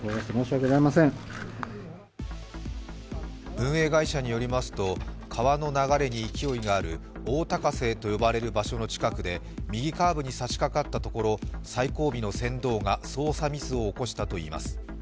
運営会社によりますと、川の流れに勢いがある大高瀬と呼ばれる場所の近くで右カーブにさしかかったところ最後尾の船頭が操作ミスを起こしたといいます。